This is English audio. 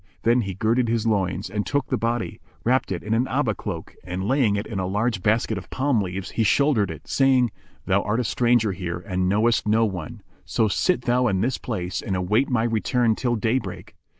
Then he girded his loins and took the body, wrapped it in an Abá cloak and, laying it in a large basket of palm leaves, he shouldered it saying, "Thou art a stranger here and knowest no one: so sit thou in this place and await my return till day break.